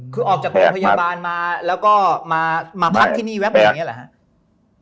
คือออกจากโรงพยาบาลมาแล้วก็มาพักที่นี่แป๊บเดียวอย่างนี้เหรอครับ